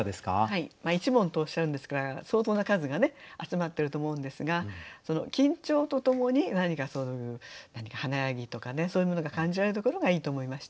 「一門」とおっしゃるんですから相当な数がね集まってると思うんですが緊張とともに何かそういう華やぎとかねそういうものが感じられるところがいいと思いました。